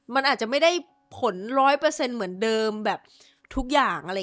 มันอาจจะไม่ผลร้อยเปอร์เซ็นต์เหมือนเดิมทุกอย่าง